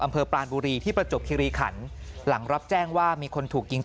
ปลานบุรีที่ประจบคิริขันหลังรับแจ้งว่ามีคนถูกยิง